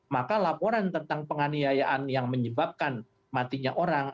maka laporan tentang penganiayaan yang menyebabkan matinya orang